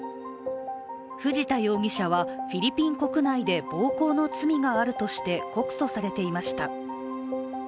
藤田容疑者はフィリピン国内で暴行の罪があるとして告訴されていました。